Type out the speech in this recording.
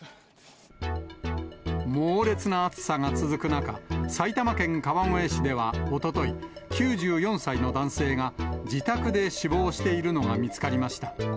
猛烈な暑さが続く中、埼玉県川越市ではおととい、９４歳の男性が自宅で死亡しているのが見つかりました。